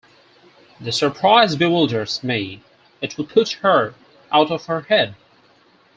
The surprise bewilders me — it will put her out of her head!